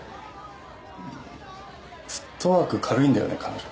フットワーク軽いんだよね彼女。